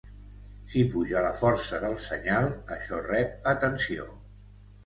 Si puja la força del senyal, això rep atenció.